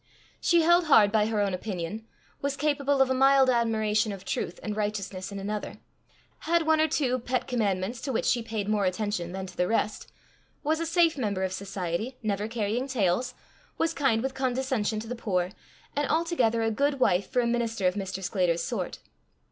She held hard by her own opinion; was capable of a mild admiration of truth and righteousness in another; had one or two pet commandments to which she paid more attention than to the rest; was a safe member of society, never carrying tales; was kind with condescension to the poor, and altogether a good wife for a minister of Mr. Sclater's sort.